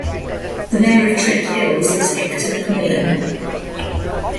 The mayor of Trent Hills is Hector MacMillan.